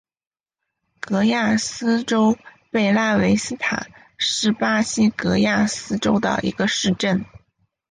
戈亚斯州贝拉维斯塔是巴西戈亚斯州的一个市镇。